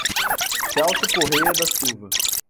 Celso Correa da Silva